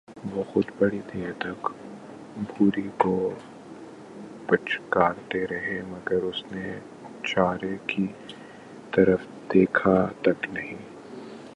وہ خود بڑی دیر تک بھوری کو پچکارتے رہے، مگر اس نے چارے کی طرف دیکھا تک نہیں۔